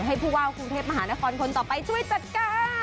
ผู้ว่ากรุงเทพมหานครคนต่อไปช่วยจัดการ